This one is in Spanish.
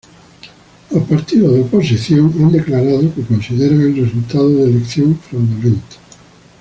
Los partidos de oposición han declarado que consideran el resultado de elección fraudulento.